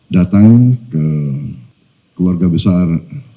datang ke keluarga besar